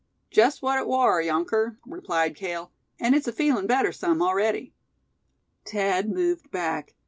"Just what it war, younker," replied Cale; "an' it's a feelin' better some, already." Thad moved back.